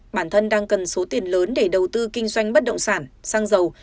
bản thân đang cần số tiền lớn để đầu tư kinh doanh bất động sản sang giàu